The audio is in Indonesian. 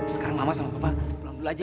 sekarang mama sama papa pulang dulu aja